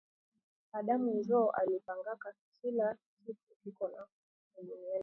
Adamu njo alipangaka kila kitu kiko mu dunia jina